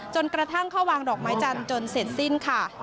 จนกระทั่งเขาวางดอกไม้จันทร์จนเสร็จสิ้นค่ะ